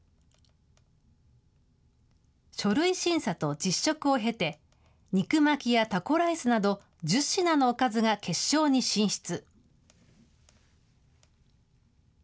書類審査と実食を経て、肉巻きやタコライスなど、１０品のおかずが決勝に進出。